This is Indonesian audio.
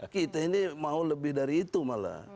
kita ini mau lebih dari itu malah